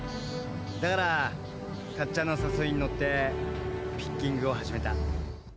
「だからかっちゃんの誘いに乗ってピッキングを始めた」